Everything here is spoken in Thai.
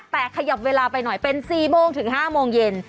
แต่ขยับเวลาไปหน่อยเป็น๔โมงถึง๕โมงเย็น